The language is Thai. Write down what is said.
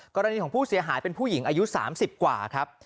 กรณีของผู้เสียหายเป็นผู้หญิงอายุ๓๐กว่าครับ